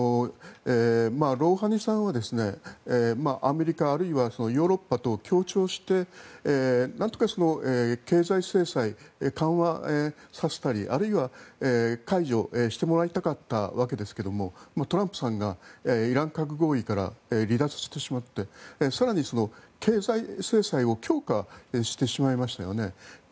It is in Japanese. ロウハニさんはアメリカあるいはヨーロッパと協調してなんとか経済制裁を緩和させたりあるいは解除してもらいたかったわけですがトランプさんがイラン核合意から離脱してしまって更に、経済制裁を強化してしまいましたよね。